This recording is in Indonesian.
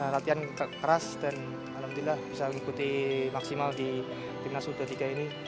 latihan keras dan alhamdulillah bisa mengikuti maksimal di timnas u dua puluh tiga ini